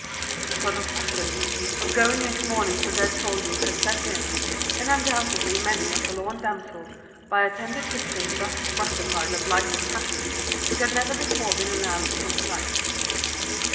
A sort of fashion of going into mourning for dead soldiers had set in, and undoubtedly many a forlorn damsel by a tender fiction thus gratified a blighted passion which had never before been allowed to come to light.